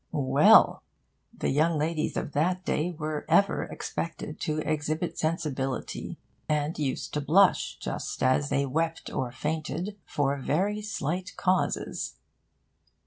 Well! The young ladies of that day were ever expected to exhibit sensibility, and used to blush, just as they wept or fainted, for very slight causes.